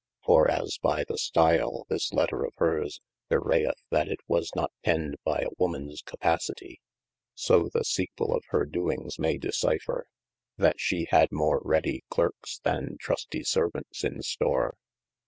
For as by the stile this letter "of "hire bewrayefh that it was not penned by a womans capacitie, so the sequele of hir doings may discipher, that shee had mo redy clearkes than trustie servants in store.